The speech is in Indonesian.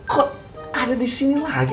kok ada di sini lagi